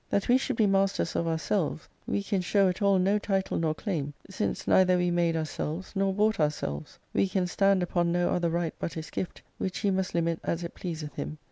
That j' we should be masters of ourselves we can show at all no / title nor claim, since neither we made ourselves nor bought ourselves ; we can stand upon no other right but his gift, which he must limit as it pleaseth him.